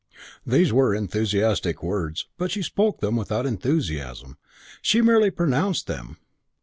These were enthusiastic words; but she spoke them without enthusiasm; she merely pronounced them.